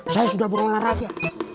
saya sudah berolahraga